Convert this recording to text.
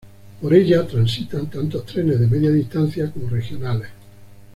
Por ella transitan tanto trenes de media distancia como regionales.